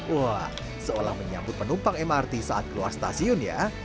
wah seolah menyambut penumpang mrt saat keluar stasiun ya